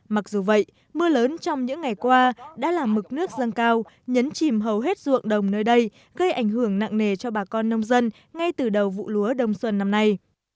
mặc dù vậy mưa lớn trong những ngày qua đã làm mực nước dâng cao nhấn chìm hầu hết ruộng đồng nơi đây gây ảnh hưởng nặng nề cho bà con nông dân ngay từ đầu vụ lúa đông xuân năm nay